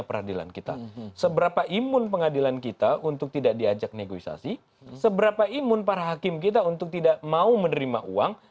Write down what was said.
seberapa imun para hakim kita untuk tidak menerima uang kita seberapa imun pengadilan kita untuk tidak diajak negosiasi seberapa imun para hakim kita untuk tidak menerima uang